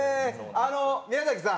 あの宮さん。